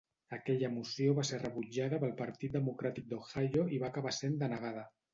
Aquella moció va ser rebutjada pel Partit democràtic d"Ohio i va acabar sent denegada.